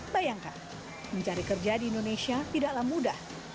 bayangkan mencari kerja di indonesia tidaklah mudah